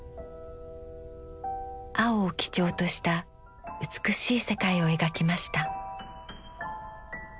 青を基調とした美しい世界を描きました。